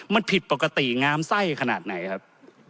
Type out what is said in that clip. มันผิดปกติงามไส้ขนาดไหนครับ